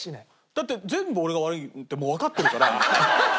だって全部俺が悪いってわかってるから。